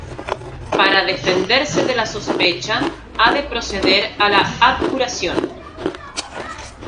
Para defenderse de la sospecha, ha de proceder a la abjuración.